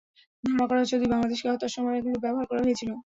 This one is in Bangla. ধারণা করা হচ্ছে, দুই বাংলাদেশিকে হত্যার সময় এগুলো ব্যবহার করা হয়েছিল।